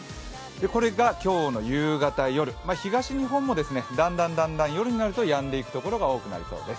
これが今日の夕方、夜、東日本も、だんだん夜になるとやんでいくところが多くなりそうです。